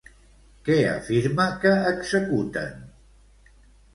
Què afirma que executen?